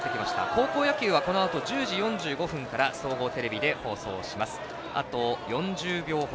高校野球はこのあと１０時４５分から総合テレビで放送します。